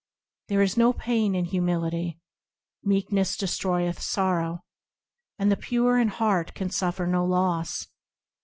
There is no pain in Humility, Meekness destroyeth sorrow, And the pure in heart can suffer no loss.